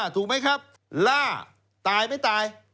ถูกไหมครับล่าตายไม่ตาย